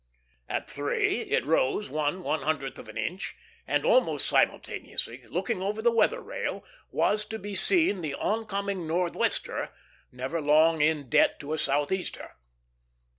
At three it rose one one hundredth of an inch, and almost simultaneously, looking over the weather rail, was to be seen the oncoming northwester, never long in debt to a southeaster.